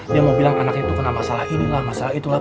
dia mau bilang anaknya itu kena masalah ini lah masalah itu lah